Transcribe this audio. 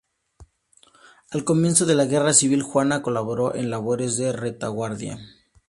Al comienzo de la Guerra Civil, Juana colabora en labores de retaguardia.